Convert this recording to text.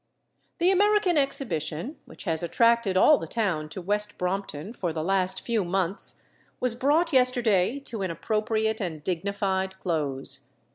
The American exhibition, which has attracted all the town to West Brompton for the last few months, was brought yesterday to an appropriate and dignified close.